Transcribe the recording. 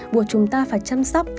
buộc chúng ta phải chăm sóc